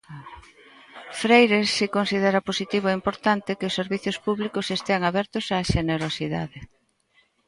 Freire si considera positivo e importante que os servizos públicos estean abertos á xenerosidade.